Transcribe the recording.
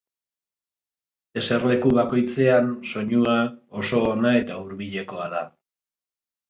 Eserleku bakoitzean, soinua, oso ona eta hurbilekoa da.